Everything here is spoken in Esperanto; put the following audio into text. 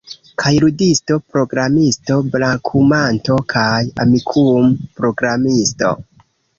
Kaj ludisto, programisto, brakumanto kaj Amikum-programisto